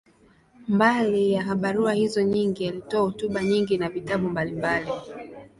Mbali ya barua hizo nyingi, alitoa hotuba nyingi na vitabu mbalimbali.